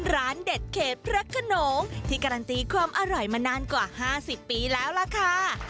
ร้านเด็ดเขตพระขนงที่การันตีความอร่อยมานานกว่า๕๐ปีแล้วล่ะค่ะ